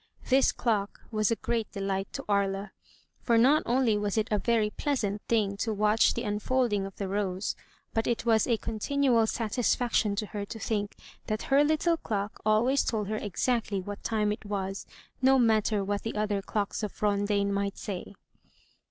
This clock was a great delight to Aria; for not only was it a very pleasant thing to watch the unfolding of the rose, but it was a continual satisfaction to her to think that her little clock always told her exactly what time it was, no matter what the other clocks of Rondaine might say.